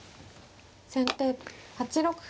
先手８六歩。